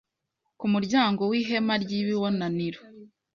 ku muryango w ihema ry ibonaniro